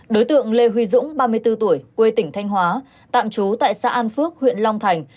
đối tượng lê huy dũng ba mươi bốn tuổi quê tỉnh thanh hóa tạm trú tại xã an phước huyện long thành